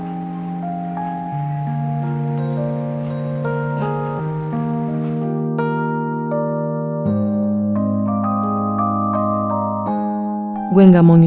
terima kasih tolong ibu